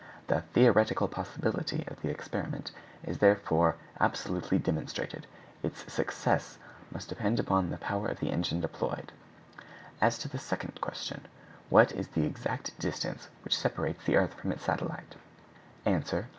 The theoretical possibility of the experiment is therefore absolutely demonstrated; its success must depend upon the power of the engine employed. As to the second question, "What is the exact distance which separates the earth from its satellite?" _Answer.